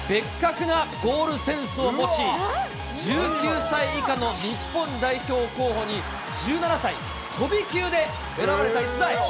なゴールセンスを持ち、１９歳以下の日本代表候補に、１７歳、飛び級で選ばれた逸材。